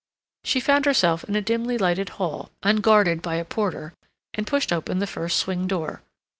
She found herself in a dimly lighted hall, unguarded by a porter, and pushed open the first swing door.